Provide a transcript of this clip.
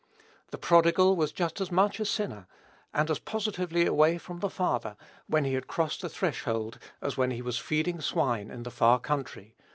The prodigal was just as much a sinner, and as positively away from the Father, when he had crossed the threshold, as when he was feeding swine in the far country.